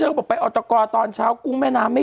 หรือแบบว่าอะไรนะคุณบ้าบอกอะไร